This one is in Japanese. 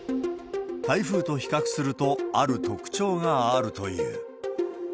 台風と比較すると、ある特徴があるという。